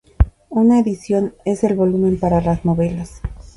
Una edición es el volumen para las novelas.